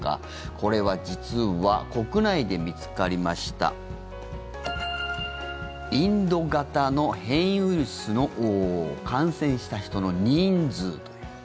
これは実は国内で見つかりましたインド型の変異ウイルスの感染した人の人数と。